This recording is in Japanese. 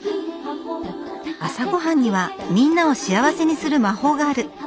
朝ごはんにはみんなを幸せにする魔法がある。